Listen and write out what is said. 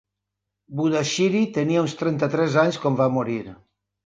Budashiri tenia uns trenta-tres anys quan va morir.